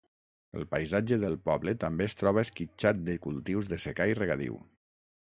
El paisatge del poble també es troba esquitxat de cultius de secà i regadiu.